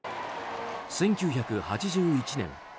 １９８１年。